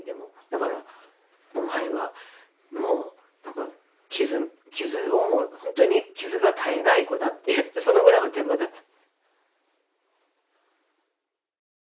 だからお前はもう何か傷をもう本当に傷が絶えない子だって言ってそのぐらいおてんばだった。